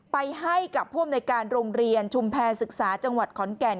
ไปให้กับผู้อำนวยการโรงเรียนชุมแพรศึกษาจังหวัดขอนแก่น